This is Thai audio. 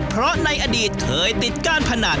เพราะในอดีตเคยติดก้านพนัน